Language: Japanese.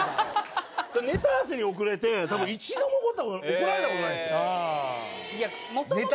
ネタ合わせに遅れて一度も怒られたことないんですよ。